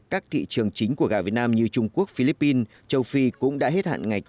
các thị trường chính của gạo việt nam như trung quốc philippines châu phi cũng đã hết hạn ngạch